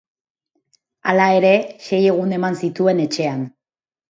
Hala ere, sei egun eman zituen etxean.